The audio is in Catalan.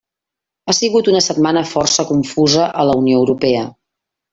Ha sigut una setmana força confusa a la Unió Europea.